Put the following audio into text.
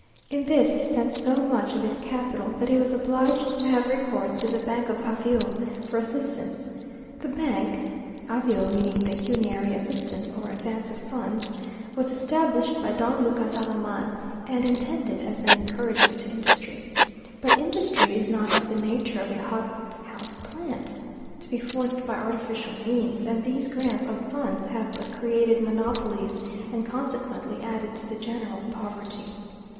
In this he spent so much of his capital, that he was obliged to have recourse to the Bank of Avio for assistance. The bank (avio meaning pecuniary assistance, or advance of funds) was established by Don Lucas Alaman, and intended as an encouragement to industry. But industry is not of the nature of a hothouse plant, to be forced by artificial means; and these grants of funds have but created monopolies, and consequently added to the general poverty.